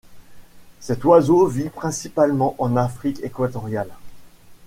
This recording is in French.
Cet oiseau vit principalement en Afrique équatoriale.